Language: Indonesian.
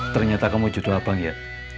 ternyata kamu judul abang ya